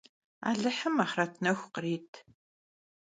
Alıhım axhret nexu khırit.